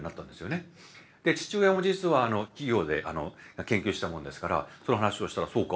父親も実は企業で研究してたもんですからその話をしたら「そうか？